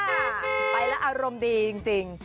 ไปแล้วอารมณ์ดีจริง